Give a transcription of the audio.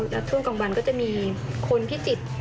และทั่วก็จะมีคุณผิดจิต